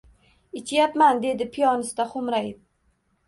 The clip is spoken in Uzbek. Ichyapman, — dedi piyonista xo‘mrayib.